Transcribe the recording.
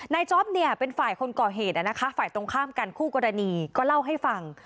จ๊อปเนี่ยเป็นฝ่ายคนก่อเหตุนะคะฝ่ายตรงข้ามกันคู่กรณีก็เล่าให้ฟัง